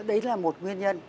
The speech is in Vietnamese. đấy là một nguyên nhân